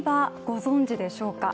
ご存じでしょうか。